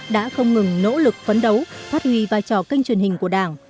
đã không ngừng nỗ lực phấn đấu phát huy vai trò kênh truyền hình của đảng